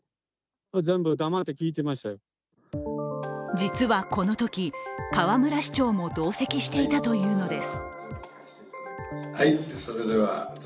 実はこのとき、河村市長も同席していたというのです。